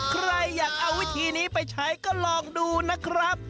ใครอยากเอาวิธีนี้ไปใช้ก็ลองดูนะครับ